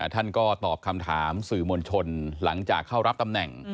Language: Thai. ท่านก็ตอบคำถามสื่อมวลชนหลังจากเข้ารับตำแหน่ง